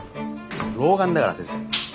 老眼だから先生。